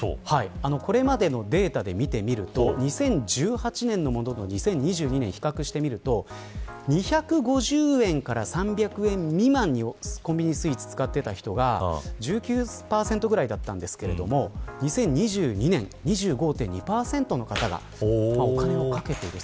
これまでのデータで見てみると２０１８年のものと２０２２年を比較すると２５０円から３００円未満にコンビニスイーツに使っていた人が１９％ぐらいだったんですけど２０２２年、２５．２％の方がお金をかけている。